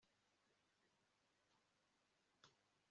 ndareba kuri raporo ye